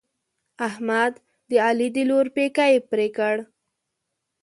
احمد د علي د لور پېکی پرې کړ.